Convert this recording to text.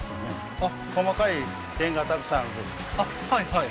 はい